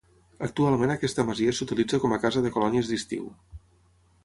Actualment aquesta masia s'utilitza com a casa de colònies d'estiu.